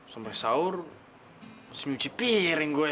sampai sahur nyuci piring gue